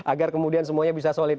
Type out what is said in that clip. agar kemudian semuanya bisa solid